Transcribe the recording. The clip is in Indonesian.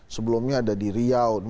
sebelumnya ada di riau